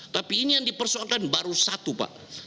tapi ini yang dipersoalkan baru satu pak